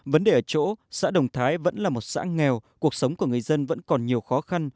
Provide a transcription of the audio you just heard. vấn đề ở chỗ xã đồng thái vẫn là một xã nghèo cuộc sống của người dân vẫn còn nhiều khó khăn